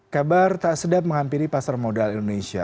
kabar tak sedap menghampiri pasar modal indonesia